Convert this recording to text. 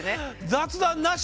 雑談なし？